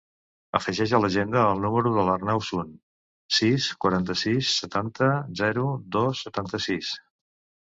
Afegeix a l'agenda el número de l'Arnau Sun: sis, quaranta-sis, setanta, zero, dos, setanta-sis.